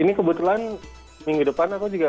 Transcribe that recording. ini kebetulan minggu depan aku juga